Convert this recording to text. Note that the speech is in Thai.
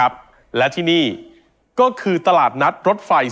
มันเหนื่อยไง